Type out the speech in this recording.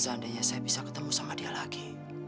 seandainya saya bisa ketemu sama dia lagi